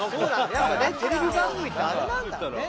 やっぱねテレビ番組ってあれなんだろうね。